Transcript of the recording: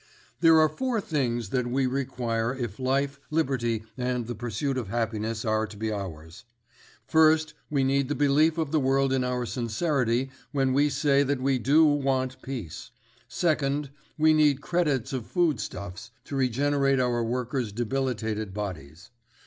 "There are four things that we require if life, liberty and the pursuit of happiness are to be ours. First, we need the belief of the world in our sincerity, when we say that we do want peace. Second, we need credits of food stuffs to regenerate our workers' debilitated bodies.